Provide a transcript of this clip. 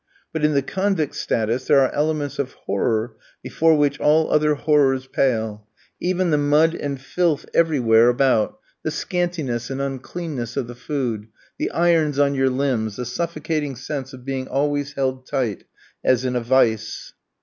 But in the convict's status there are elements of horror before which all other horrors pale, even the mud and filth everywhere about, the scantiness and uncleanness of the food, the irons on your limbs, the suffocating sense of being always held tight, as in a vice.